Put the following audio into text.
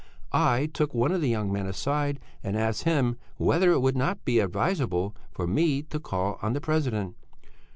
"I took one of the young men aside and asked him whether it would not be advisable for me to call on the president.